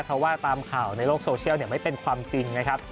เพราะว่าตามข่าวในโลกโซเชียลไม่เป็นความจริงนะครับ